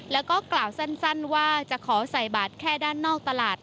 แล้วก็กล่าวสั้นว่าจะขอใส่บาทแค่ด้านนอกตลาด